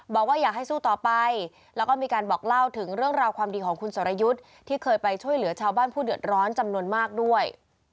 บอกว่าอยากให้สู้ต่อไปแล้วก็มีการบอกเล่าถึงเรื่องราวความดีของคุณสรยุทธ์ที่เคยไปช่วยเหลือชาวบ้านผู้เดือดร้อนจำนวนมากด้วย